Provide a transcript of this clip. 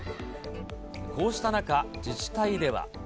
こうした中、自治体では。